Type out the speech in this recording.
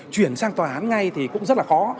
chuyển sang tòa án ngay thì cũng rất là khó